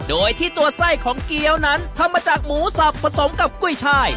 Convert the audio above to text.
โดยที่ตัวไส้ของเกี้ยวนั้นทำมาจากหมูสับผสมกับกุ้ยชาย